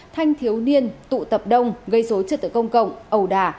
thanh thiếu niên tụ tập đông gây dối trật tự công cộng ẩu đà